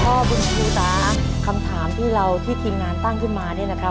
พ่อบุญชูตาคำถามที่เราที่ทิ้งงานตั้งขึ้นมานี่นะครับ